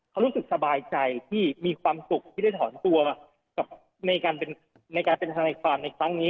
เขารู้สึกสบายใจที่มีความสุขที่ได้ถอนตัวในการเป็นทนายความในครั้งนี้